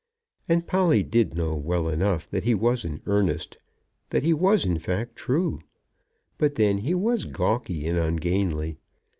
And Polly did know well enough that he was in earnest, that he was, in fact, true. But then he was gawky and ungainly.